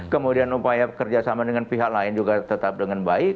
kemudian upaya kerjasama dengan pihak lain juga tetap dengan baik